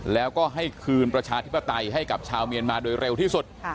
แล้วก็ให้คืนประชาธิปไตยให้กับชาวเมียนมาโดยเร็วที่สุด